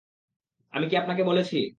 আমি কী আপনাকে বলেছি?